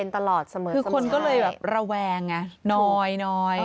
คือคนก็เลยแบบระแวงไงน้อย